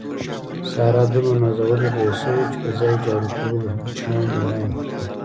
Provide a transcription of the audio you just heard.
ساره دومره نازولې لویه شوې، چې په ځای جارو کولو هم شړانګې وړانګې کېږي.